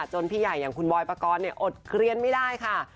พี่ใหญ่อย่างคุณบอยปกรณ์อดเกลียนไม่ได้ค่ะ